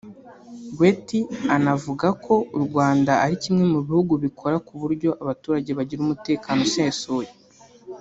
Gwet anavuga ko u Rwanda ari kimwe mu bihugu bikora ku buryo abaturage bagira umutekano usesuye